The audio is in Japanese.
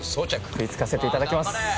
食いつかせて頂きます。